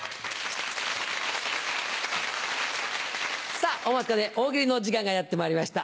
さぁお待ちかね「大喜利」の時間がやってまいりました。